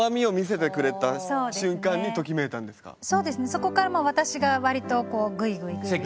そこからまあ私が割とこうグイグイグイグイ。